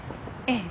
ええ。